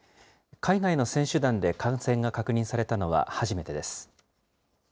海外の選手団で感染が確認されたのは初めてです。